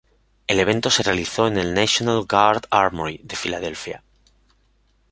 El evento se realizó en la National Guard Armory de Filadelfia.